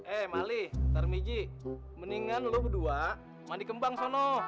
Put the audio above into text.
eh mali tarmiji mendingan lo berdua mandi kembang sono